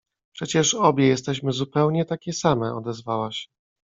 — Przecież obie jesteśmy zupełnie takie same — odezwała się.